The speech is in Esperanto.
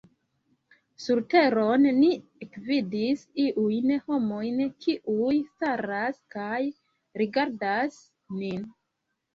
Surteron ni ekvidis iujn homojn, kiuj staras kaj rigardas nin.